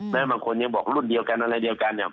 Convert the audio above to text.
บางคนยังบอกรุ่นเดียวกันอะไรเดียวกันเนี่ย